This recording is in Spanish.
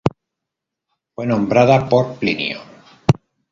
Fue nombrada por Plinio.